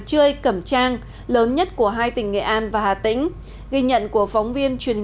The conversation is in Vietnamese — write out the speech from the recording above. chươi cẩm trang lớn nhất của hai tỉnh nghệ an và hà tĩnh ghi nhận của phóng viên truyền